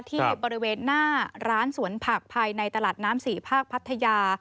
ที่บริเวณหน้าร้านสวนผักภายในตลาดน้ำ๔ภาคพัทยา